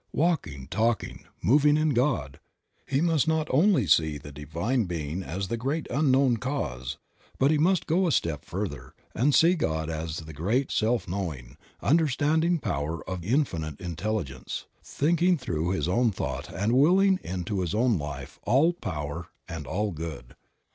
Walking, talking, moving in God, he must not only see the Divine Being as the great unknown Cause, but he must go a step further and see God as the great self knowing, understanding power of Infinite Intelligence, thinking through his own thought and willing into his own life all power and all good.